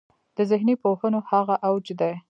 د ذهني پوهنو هغه اوج دی.